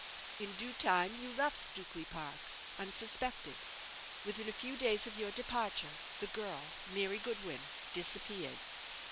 In due time you left Stukely Park, unsuspected. Within a few days of your departure, the girl, Mary Goodwin, disappeared.